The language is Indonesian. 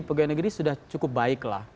pegawai negeri sudah cukup baik lah